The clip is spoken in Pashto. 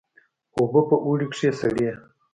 او په اوړي کښې سړې.